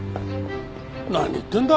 何言ってんだ？